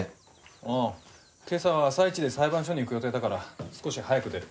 あぁ今朝朝イチで裁判所に行く予定だから少し早く出る。